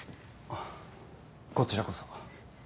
あっこちらこそ。